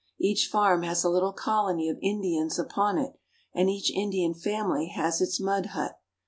Each farm has a little colony of Indians upon it, and each Indian family has its mud hut.